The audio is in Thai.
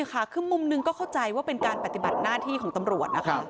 คือมุมหนึ่งก็เข้าใจว่าเป็นการปฏิบัติหน้าที่ของตำรวจนะคะ